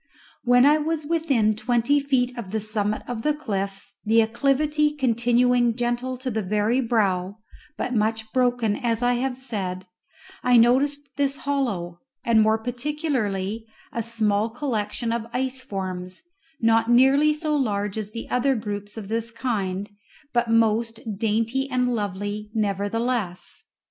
When I was within twenty feet of the summit of the cliff, the acclivity continuing gentle to the very brow, but much broken, as I have said, I noticed this hollow, and more particularly a small collection of ice forms, not nearly so large as the other groups of this kind, but most dainty and lovely nevertheless.